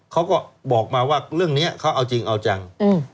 เขาก็บอกมาว่าเรื่องนี้เขาเอาจริงเอาจัง